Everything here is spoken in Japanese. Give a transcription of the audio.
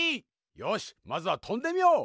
よしまずはとんでみよう。